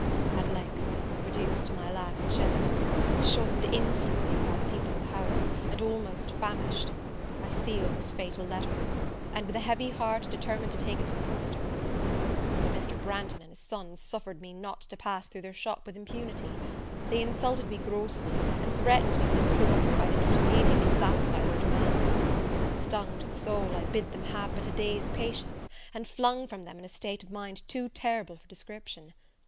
At length, reduced to my last shilling, shunned insolently by the people of the house, and almost famished, I sealed this fatal letter; and, with a heavy heart, determined to take it to the post office. But Mr. Branghton and his son suffered me not to pass through their shop with impunity; they insulted me grossly, and threatened me with imprisonment, if I did not immediately satisfy their demands. Stung to the soul, I bid them have but a day's patience, and flung from them in a state of mind too terrible for description.